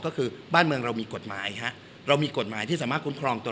ก็คือบ้านเมืองเรามีกฎหมายฮะเรามีกฎหมายที่สามารถคุ้มครองตัว